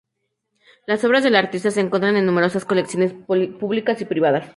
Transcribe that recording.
Las obras del artista se encuentran en numerosas colecciones públicas y privadas.